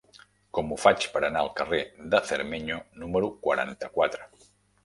Com ho faig per anar al carrer de Cermeño número quaranta-quatre?